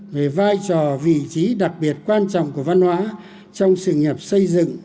về vai trò vị trí đặc biệt quan trọng của văn hóa trong sự nghiệp xây dựng